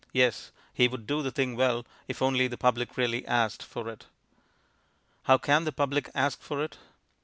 Yes, he would do the thing well, if only the public really asked for it. How can the public ask for it?